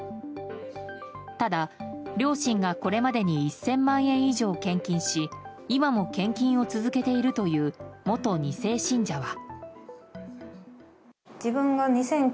ただ、両親がこれまでに１０００万円以上献金し今も献金を続けているという元２世信者は。